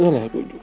salah aku juga